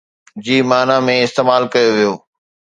جي معنى ۾ استعمال ڪيو ويو